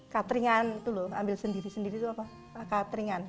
cutting an itu lho ambil sendiri sendiri itu apa cutting an